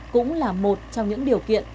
cũng là một trong những điều kiện